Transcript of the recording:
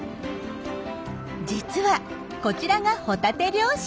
実はこちらがホタテ漁師。